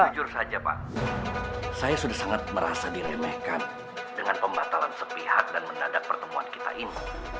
jujur saja pak saya sudah sangat merasa diremehkan dengan pembatalan sepihak dan mendadak pertemuan kita ini